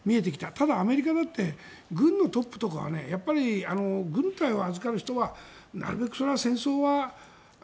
ただ、アメリカだって軍のトップとかは軍隊を預かる人はなるべく戦争は。